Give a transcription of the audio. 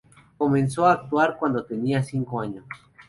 Comenzó a actuar cuando tenía cinco años.